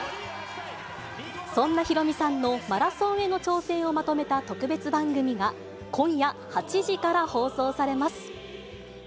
そんなヒロミさんのマラソンへの挑戦をまとめた特別番組が、今夜８時から放送されます。